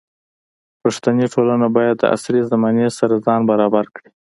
پښتني ټولنه باید د عصري زمانې سره ځان برابر کړي.